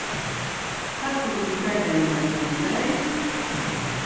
Kad tu viņu pēdējoreiz redzēji?